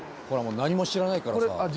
これもう何も知らないからさ。